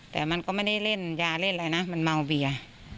แต่มันก็ไม่ได้เล่นยาเล่นอะไรนะมันเมาเบียร์